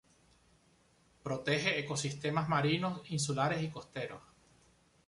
Protege ecosistemas marinos, insulares y costeros.